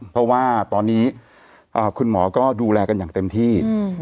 เพราะว่าตอนนี้คุณหมอก็ดูแลกันอย่างเต็มที่